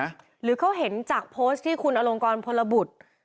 หรือเขาเห็นจากโพสต์ที่คุณอลงกรพลบุตร